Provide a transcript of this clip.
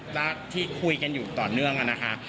จากที่คุยกันอยู่ต่อเนื่องนะคะ